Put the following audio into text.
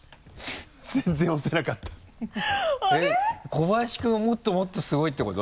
小林君はもっともっとすごいってこと？